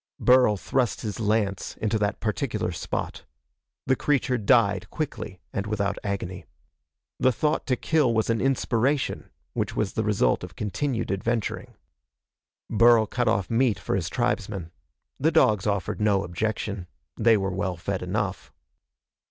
Burl thrust his lance into that particular spot. The creature died quickly and without agony. The thought to kill was an inspiration, which was the result of continued adventuring. Burl cut off meat for his tribesmen. The dogs offered no objection. They were well fed enough.